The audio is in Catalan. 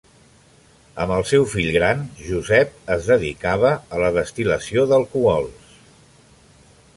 Amb el seu fill gran, Josep, es dedicava a la destil·lació d'alcohols.